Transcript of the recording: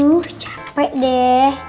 aduh capek deh